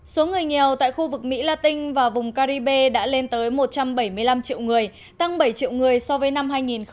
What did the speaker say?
số người nghèo tại khu vực mỹ la tinh và vùng caribe đã lên tới một trăm bảy mươi năm triệu người tăng bảy triệu người so với năm hai nghìn một mươi